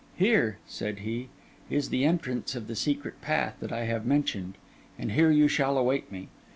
'Here,' said he, 'is the entrance of the secret path that I have mentioned, and here you shall await me.